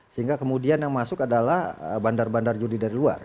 sehingga kemudian yang masuk adalah bandar bandar judi dari luar